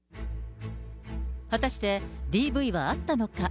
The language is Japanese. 果たしてＤＶはあったのか。